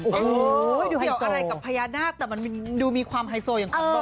โอ้โหเฉลยอะไรกับพญานาคส์แต่มันมีดูมีความไฮโซทย์อย่างเขาบอก